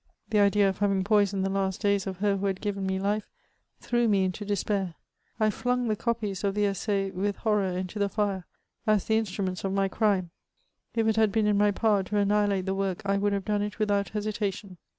The idea of having poisoned the last days of her who had given me life, threw me into despair ; I flung the copies of the Ussai with horror into the fire, as the instruments of my crime ; if it had been in my power to annihilate the work, I would have done it without hesitation.